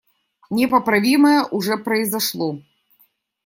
Непоправимое уже произошло.